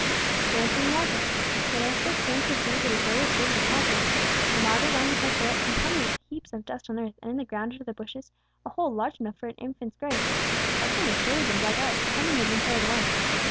Glancing around her, Teresa soon perceived the disordered state of the patio; the marble round the parterre encumbered with heaps of dust and earth, and in the ground under the bushes a hole large enough for an infant's grave. Something had surely been dug out, something had been carried away.